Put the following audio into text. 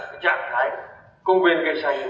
trạng thái công viên cây xanh